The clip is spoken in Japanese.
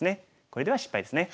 これでは失敗ですね。